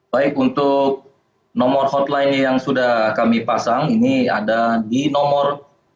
baik untuk nomor hotline yang sudah kami pasang ini ada di nomor delapan ratus sembilan puluh enam satu ratus enam puluh tujuh tujuh puluh tujuh